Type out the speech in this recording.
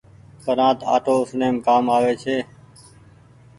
پرانت آٽو اُسڻيم ڪآم آوي ڇي۔